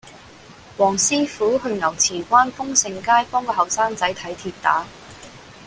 黃師傅去牛池灣豐盛街幫個後生仔睇跌打